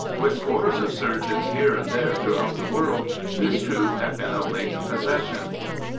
With scores of surgeons here and there throughout the world this truth had been a latent posses sion.